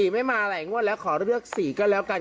ไม่มาหลายงวดแล้วขอเลือก๔ก็แล้วกัน